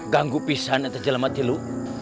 ganggu pisahnya terjelamati lu